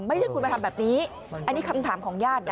ไม่ใช่คุณมาทำแบบนี้อันนี้คำถามของญาตินะ